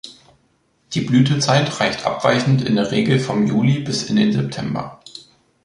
Die Blütezeit reicht abweichend in der Regel vom Juli bis in den September.